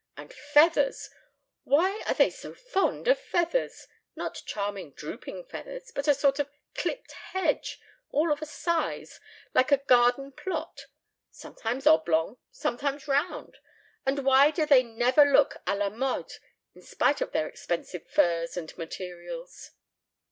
And feathers! Why are they so fond of feathers not charming drooping feathers, but a sort of clipped hedge, all of a size, like a garden plot; sometimes oblong, sometimes round? And why do they never look à la mode, in spite of their expensive furs and materials?"